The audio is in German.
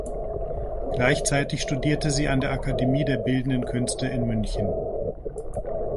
Gleichzeitig studierte sie an der Akademie der Bildenden Künste in München.